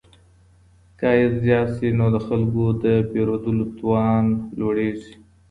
که عايد زيات سي نو د خلګو د پيرودلو توان لوړيږي.